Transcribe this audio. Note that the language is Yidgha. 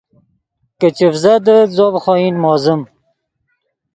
کہ چڤزدیت زو ڤے خوئن موزیم